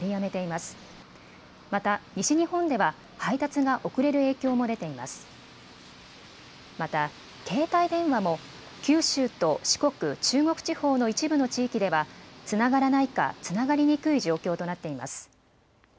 また携帯電話も九州と四国、中国地方の一部の地域ではつながらないか、つながりにくい状況となっています。